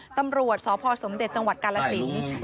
ตำรวจสพสมเด็จจังหวัดกาลสิน